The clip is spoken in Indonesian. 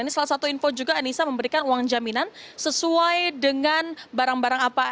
ini salah satu info juga anissa memberikan uang jaminan sesuai dengan barang barang apa